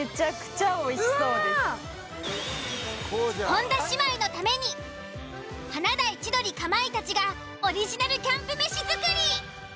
本田姉妹のために華大千鳥かまいたちがオリジナルキャンプ飯作り！